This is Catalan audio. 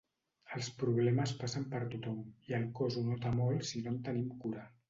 Els problemes passen per tothom i el cos ho nota molt si no en tenim cura.